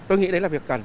tôi nghĩ đấy là việc cần